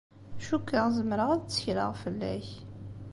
Cukkeɣ zemreɣ ad ttekleɣ fell-ak.